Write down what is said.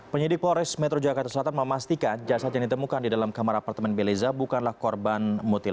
penyidik polres metro jakarta selatan memastikan jasad yang ditemukan di dalam kamar apartemen beleza bukanlah korban mutilasi